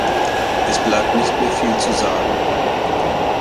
Es bleibt nicht mehr viel zu sagen.